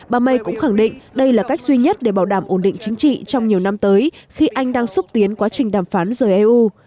bà may cũng khẳng định đây là cách duy nhất để bảo đảm ổn định chính trị trong nhiều năm tới khi anh đang xúc tiến quá trình đàm phán rời eu